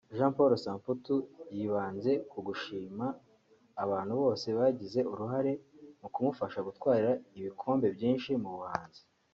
Jean Paul Samputu yibanze ku gushima abantu bose bagize uruhare mu kumufasha gutwara ibikombe byinshi mu buhanzi